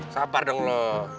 sabar dong lu